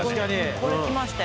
これきましたよ。